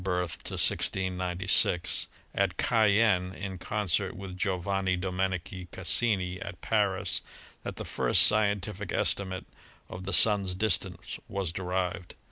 i6g6) at Cayenne in concert with Giovanni Domenico Cassini at Paris that the first scientific estimate of the Sun's distance was derived.